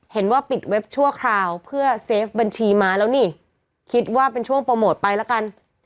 เห็นว่าปิดเว็บชั่วคราวเพื่อเซฟบัญชีมาแล้วนี่คิดว่าเป็นช่วงโปรโมทไปละกัน